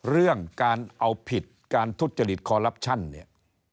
เรื่องการเอาผิดการทุจริตคอลลับชั่นเนี่ย